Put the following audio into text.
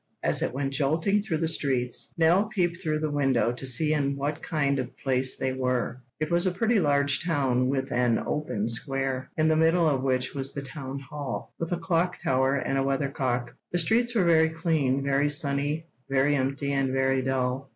As it went jolting through the streets, Nell peeped through the window to see in what kind of place they were. It was a pretty large town with an open square, in the middle of which was the town hall, with a clock tower and a weather cock. The streets were very clean, very sunny, very empty, and very dull.